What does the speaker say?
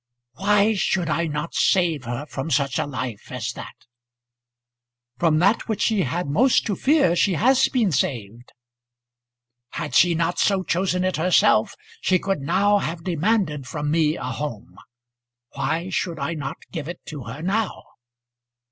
"Why should I not save her from such a life as that?" "From that which she had most to fear she has been saved." "Had she not so chosen it herself, she could now have demanded from me a home. Why should I not give it to her now?"